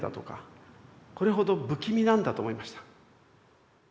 これほど不気味なんだと思いました。